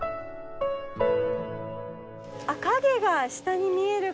あっ影が下に見える。